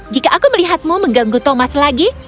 jika aku melihatmu mengganggu thomas lagi